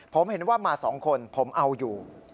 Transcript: ผมเห็นว่ามา๒คนผมเอาอยู่